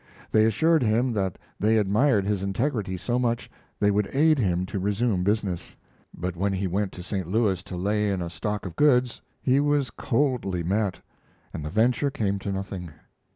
They assured him that they admired his integrity so much they would aid him to resume business; but when he went to St. Louis to lay in a stock of goods he was coldly met, and the venture came to nothing.